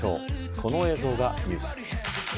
この映像がニュース。